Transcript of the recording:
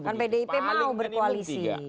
kan pdip mau berkoalisi